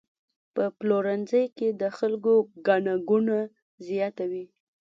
په پلورنځي کې د خلکو ګڼه ګوڼه زیاته وي.